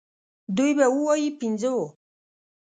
دوی به ووايي پنځه وو.